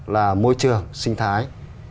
là môi trường sinh thái